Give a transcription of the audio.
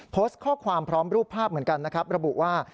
โพสต์ข้อความพร้อมรูปภาพเหมือนกันนะครับระบุว่า